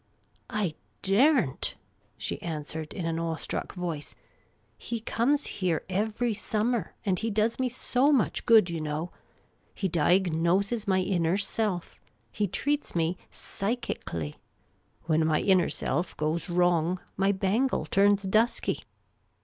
" I dare n't," she answered in an awe struck voice. " He comes here every summer ; and he does me so much good, you know. He diagnoses my inner self. He treats me psychically. When my inner self goes wrong, my bangle turns dusky."